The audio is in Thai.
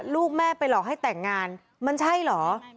ลูกแม่ไปหลอกให้แต่งงานมันใช่เหรอ